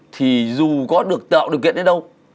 thì dù có được tạo được kiện đến đâu